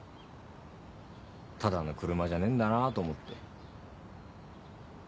ただの車じゃねえんだなと思って。